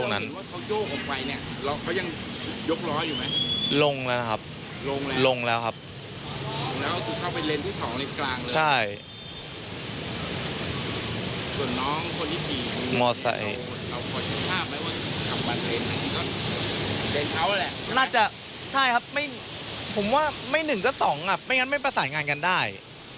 น่าจะใช่ครับผมว่าไม่๑ก็๒อ่ะไม่งั้นไม่ประสานงานกันได้